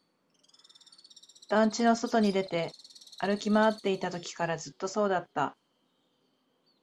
団地の外に出て、歩き回っていたときからずっとそうだった